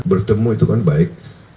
bertemu itu kan baik